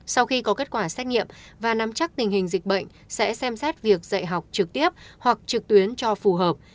sau khi có kết quả xét nghiệm và nắm chắc tình hình dịch bệnh sẽ xem xét việc dạy học trực tiếp hoặc trực tuyến cho phù hợp